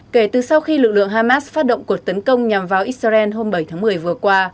kể từ sau khi lực lượng hamas phát động cuộc tấn công nhằm vào israel hôm bảy tháng một mươi vừa qua